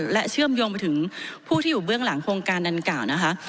และเชื่อมโยงไปถึงผู้ที่อยู่เบื้องหลังโครงการดังกล่าวนะคะ